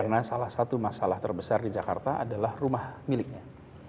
karena salah satu masalah terbesar di jakarta adalah rumah miliknya